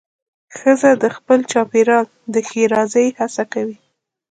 ښځه د خپل چاپېریال د ښېرازۍ هڅه کوي.